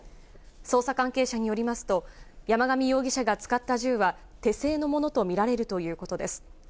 捜査関係者によりますと、山上容疑者が使った銃は手製のものと見られるということです。